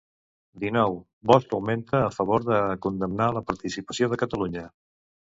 XIX, Bosch augmenta a favor de condemnar la participació de Catalunya.